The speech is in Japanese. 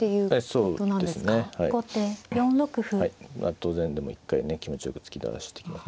当然でも一回ね気持ちよく突き出していきますね。